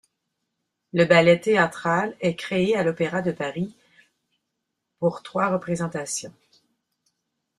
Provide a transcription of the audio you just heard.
Le ballet théâtral est créé à l'Opéra de Paris le pour trois représentations.